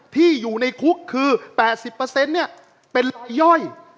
ที่อยู่ในคุกคือ๘๐เป็นย่อย